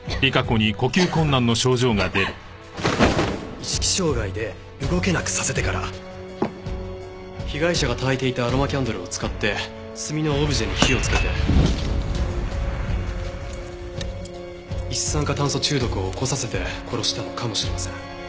意識障害で動けなくさせてから被害者が焚いていたアロマキャンドルを使って炭のオブジェに火をつけて一酸化炭素中毒を起こさせて殺したのかもしれません。